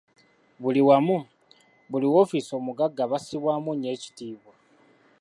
Buli wamu, buli woofiisi omugagga bassibwamu nnyo ekitiibwa.